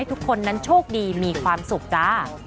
ทุกคนนั้นโชคดีมีความสุขจ้า